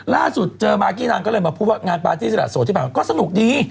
ล่าสุดเจอมากกี้นางก็เลยมาพูดว่างานปาร์ตี้สละโสดที่ผ่านมาก็สนุกดี